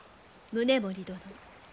宗盛殿。